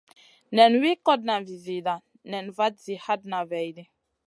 Nen wi kotna vi zida nen vat zi hatna vaidi.